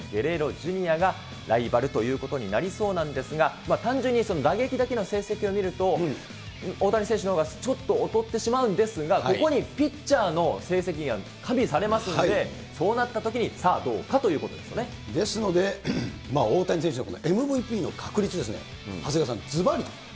Ｊｒ．がライバルということになりそうなんですが、単純に打撃だけの成績を見ると、大谷選手のほうがちょっとおとってしまうんですが、ここにピッチャーの成績が加味されますんで、そうなったときにさですので、大谷選手のこのＭＶＰの確率ですね、長谷川さん、ずばり。